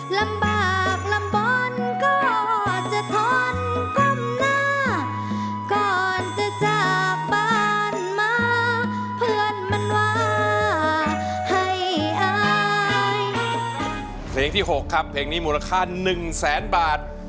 ลำบากลำบ้อนก็จะทอนก้มหน้า